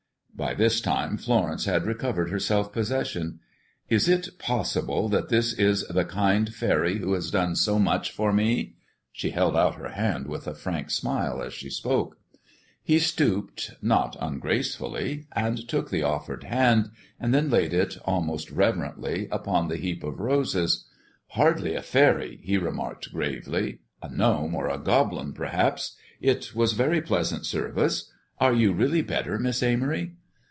By this time Florence had recovered her self possession: "Is it possible that this is the kind fairy who has done so much for me?" She held out her hand with a frank smile as she spoke. He stooped, not ungracefully, and took the offered hand, then laid it, almost reverently, upon the heap of roses. "Hardly a fairy," he remarked gravely; "a gnome or a goblin, perhaps. It was very pleasant service. Are you really better, Miss Amory?"